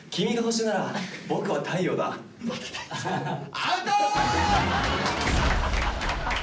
アウト！